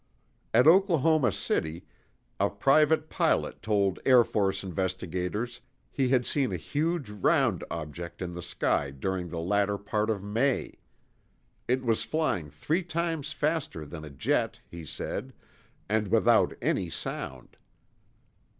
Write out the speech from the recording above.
At Oklahoma City, a private pilot told Air Force investigators he had seen a huge round object in the sky during the latter part of May. It was flying three times faster than a jet, he said, and without any sound.